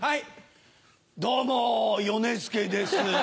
どうも米助です。